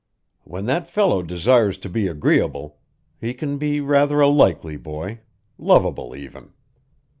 When that fellow desires to be agreeable, he can be rather a likable boy lovable, even.